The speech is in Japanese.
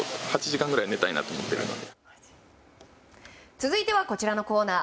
続いてはこちらのコーナー。